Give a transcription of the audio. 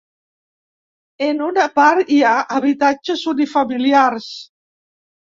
En una part hi ha habitatges unifamiliars.